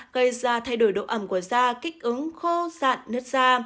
gây ra thay đổi độ ẩm của da kích ứng khô dạn nứt da